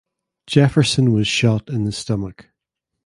Jefferson was shot in the stomach.